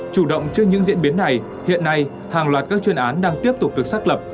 chủ động trước những diễn biến này hiện nay hàng loạt các chuyên án đang tiếp tục được xác lập